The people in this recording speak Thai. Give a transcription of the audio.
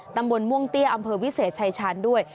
ตำบลม่วงเตี้ยอำเภอวิเศษชายชาญด้วย